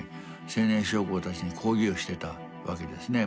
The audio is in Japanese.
青年将校たちに講義をしてたわけですね。